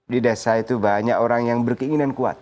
di desa itu banyak orang yang berkeinginan kuat